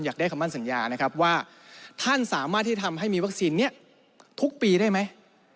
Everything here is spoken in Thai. อยากได้คำมั่นสัญญานะครับว่าท่านสามารถที่ทำให้มีวัคซีนนี้ทุกปีได้ไหม